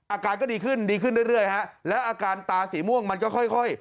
อาการก็ดีขึ้นดีขึ้นเรื่อยฮะแล้วอาการตาสีม่วงมันก็ค่อยค่อย